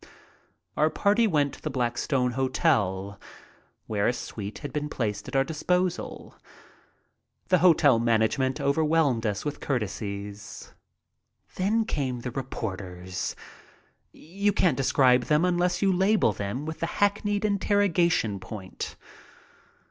Our party went to the Blackstone Hotel, where a suite had been placed at our disposal. The hotel management overwhelmed us with courtesies. Then came the reporters. You can't describe them unless you label them with the hackneyed interrogation point.